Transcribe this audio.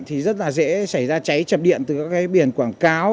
thì rất là dễ xảy ra cháy chập điện từ các cái biển quảng cáo